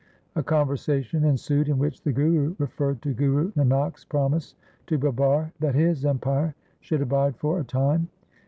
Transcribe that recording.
A conversation ensued in which the Guru referred to Guru Nanak's promise to Babar that his empire should abide for a time.